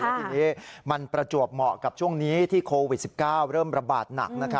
ทีนี้มันประจวบเหมาะกับช่วงนี้ที่โควิด๑๙เริ่มระบาดหนัก